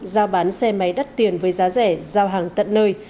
giao bán xe máy đắt tiền với giá rẻ giao hàng tận nơi